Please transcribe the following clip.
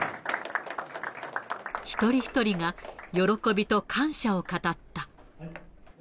一人一人が喜びと感謝を語った。